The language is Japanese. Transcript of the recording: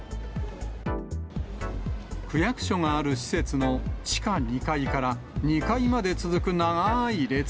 区役所がある施設の地下２階から２階まで続く長ーい列。